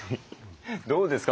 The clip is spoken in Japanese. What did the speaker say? どうですか？